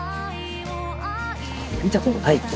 「見たことないき」。